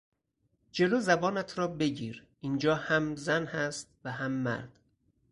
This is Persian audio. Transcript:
جلو زبانت را بگیر اینجا هم زن هست و هم مرد!